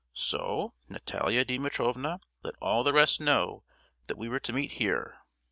So Natalia Dimitrievna let all the rest know that we were to meet here!